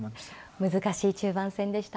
難しい中盤戦でした。